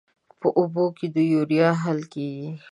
په اوبو کې د یوریا حل کیږي.